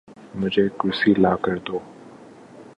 مجھے ایک کرسی لا کر دو